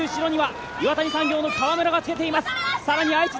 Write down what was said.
しかしそのすぐ後ろには岩谷産業の川村がつけています。